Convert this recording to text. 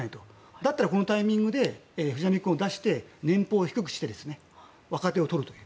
だったら、このタイミングで藤浪君を出して年俸を低くして若手をとると。